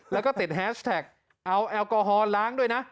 แล้วก็ติดแฮชแท็กเอาแอลกอฮอลล้างด้วยนะ